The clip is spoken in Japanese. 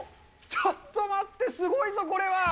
ちょっと待って、すごいぞ、これは。